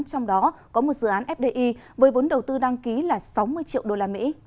trong đó có một dự án fdi với vốn đầu tư đăng ký là sáu mươi triệu usd